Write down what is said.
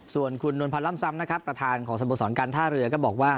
ส่วนคุณนวลพันธ์ล่ำซ้ำนะครับประธานของสโมสรการท่าเรือก็บอกว่า